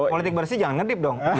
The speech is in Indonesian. politik bersih jangan ngedip dong